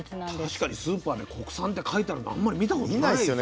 確かにスーパーで国産って書いてあるのあんまり見たことないですよ。